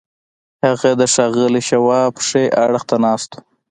هغه د ښاغلي شواب ښي اړخ ته ناست و